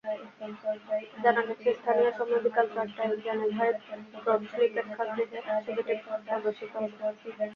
জানা গেছে, স্থানীয় সময় বিকেল চারটায় জেনেভায় গ্রথলি প্রেক্ষাগৃহে ছবিটি প্রদর্শিত হবে।